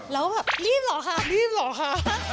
แล้วแบบรีบเหรอคะรีบเหรอคะ